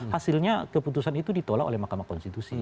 hasilnya keputusan itu ditolak oleh mahkamah konstitusi